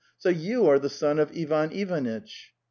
So you are the son of Ivan Ivanitch?